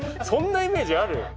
そんなイメージある？